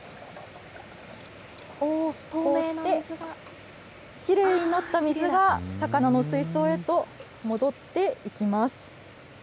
そしてきれいになった水が、魚の水槽へと戻っていきます。